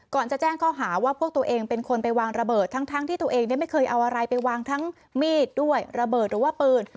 ก่อนจะแจ้งข้อหาว่าพวกตัวเองเป็นคนไปวางระเบิดทั้งที่ตัวเองไม่เคยเอาอะไรไปวางทั้งมีดด้วยระเบิดหรือว่าปืน